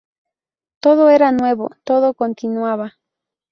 Todo era nuevo, todo continuaba.